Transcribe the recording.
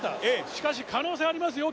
しかし可能性ありますよ